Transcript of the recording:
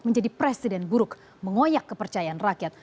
menjadi presiden buruk mengoyak kepercayaan rakyat